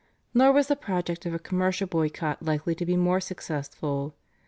Nor was the project of a commercial boycott likely to be more successful.